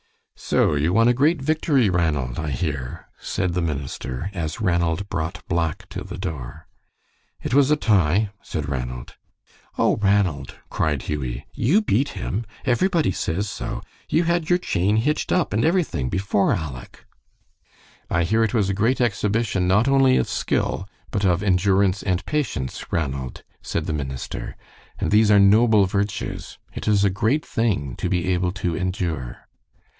"So you won a great victory, Ranald, I hear," said the minister, as Ranald brought Black to the door. "It was a tie," said Ranald. "Oh, Ranald!" cried Hughie, "you beat him. Everybody says so. You had your chain hitched up and everything before Aleck." "I hear it was a great exhibition, not only of skill, but of endurance and patience, Ranald," said the minister. "And these are noble virtues. It is a great thing to be able to endure."